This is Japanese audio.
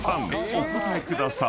お答えください］